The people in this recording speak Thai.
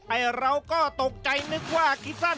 ไอ้เราก็ตกใจนึกว่าคิดสั้น